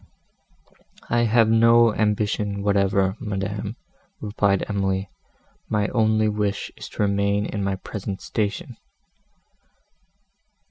"I have no ambition whatever, madam," replied Emily, "my only wish is to remain in my present station."